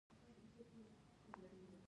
مهمه باریکي: وخت صبر غواړي او صبر وخت غواړي